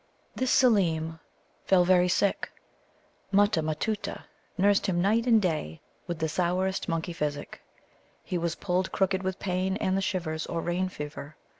This Seelem fell very sick. Mutta matutta nursed him night and day, with the sourest monkey physic. He was pulled crooked with pain and the shivers, or rain fever.